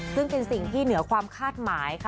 ซึ่งเป็นสิ่งที่เหนือความคาดหมายค่ะ